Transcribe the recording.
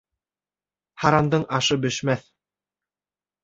Һарандың ашы бешмәҫ.